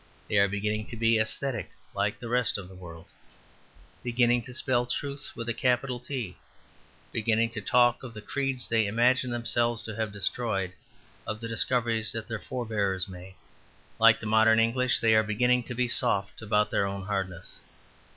They are beginning to be aesthetic, like the rest of the world, beginning to spell truth with a capital T, beginning to talk of the creeds they imagine themselves to have destroyed, of the discoveries that their forbears made. Like the modern English, they are beginning to be soft about their own hardness.